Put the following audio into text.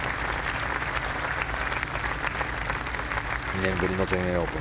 ２年ぶりの全英オープン。